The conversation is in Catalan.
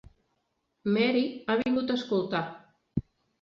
Mary ha vingut a escoltar.